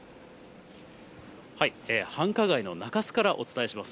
繁華街の中洲からお伝えします。